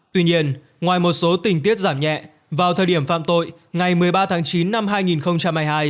tuy nhiên ngoài một số tình tiết giảm nhẹ vào thời điểm phạm tội ngày một mươi ba tháng chín năm hai nghìn hai mươi hai